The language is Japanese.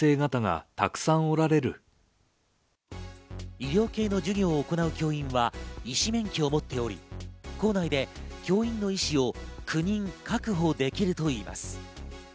医療系の授業を行う教員は医師免許を持っており、校内で教員の医師を９人確保できるといいます。